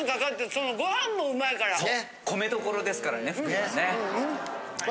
そう米どころですからね福井はね。